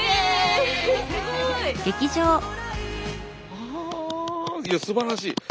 はあいやすばらしい。